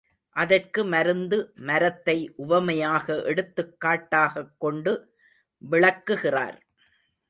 அதற்கு மருந்து மரத்தை உவமையாக எடுத்துக் காட்டாகக் கொண்டு விளக்குகிறார்.